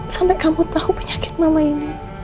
sampai kamu tahu penyakit mama ini